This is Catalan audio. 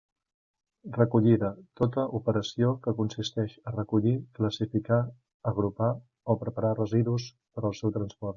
Recollida; tota operació que consisteix a recollir, classificar, agrupar o preparar residus per al seu transport.